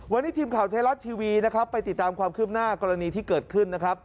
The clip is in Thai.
วันนี้ทีมข่าวชัยรัตน์ทีวีไปติดตามความคืบหน้ากรณีที่เกิดขึ้น